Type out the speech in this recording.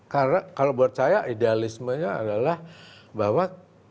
karena kalau buat saya idealismenya adalah bahwa